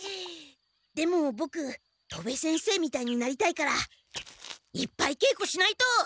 でもボク戸部先生みたいになりたいからいっぱいけいこしないと！